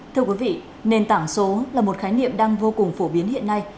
thưa quý vị nền tảng số là một khái niệm đang vô cùng phổ biến hiện nay